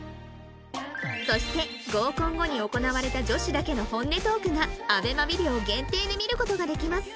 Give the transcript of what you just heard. そして合コン後に行われた女子だけの本音トークが ＡＢＥＭＡ ビデオ限定で見る事ができます。